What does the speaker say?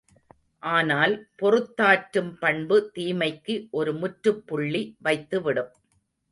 ஆனால் பொறுத்தாற்றும் பண்பு தீமைக்கு ஒரு முற்றுப்புள்ளி வைத்துவிடும்.